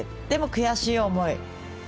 でも悔しい思い。